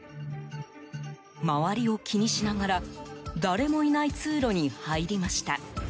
周りを気にしながら誰もいない通路に入りました。